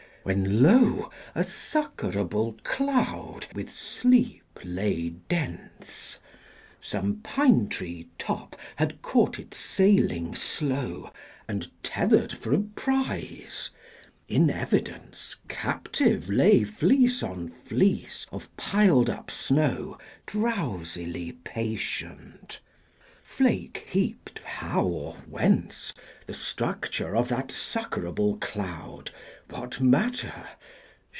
When, lo, A succorable cloud with sleep lay dense: Some pinetree top had caught it sailing slow, And tethered for a prize: in evidence Captive lay fleece on fleece of piled up snow Drowsily patient: flake heaped how or whence, The structure of that succorable cloud, What matter?